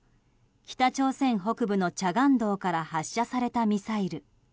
北朝鮮北部のチャガン道から発射されたミサイル。